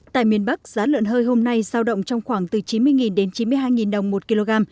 tại miền bắc giá lợn hơi hôm nay giao động trong khoảng từ chín mươi đến chín mươi hai đồng một kg